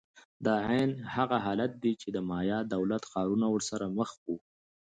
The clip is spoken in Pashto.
دا عین هغه حالت دی چې د مایا دولت ښارونه ورسره مخ وو.